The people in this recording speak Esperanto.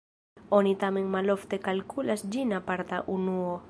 Oni tamen malofte kalkulas ĝin aparta unuo.